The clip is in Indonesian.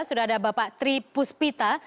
sudah ada bapak tri puspita